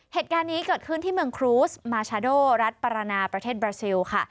เหตุการณ์นี้เกิดขึ้นที่เมืองครูสมาชาโดรัฐปรานาประเทศบราซิลค่ะ